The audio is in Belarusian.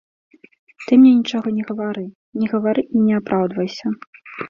Ты мне нічога не гавары, не гавары і не апраўдвайся.